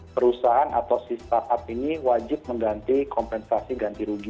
perusahaan atau si startup ini wajib mengganti kompensasi ganti rugi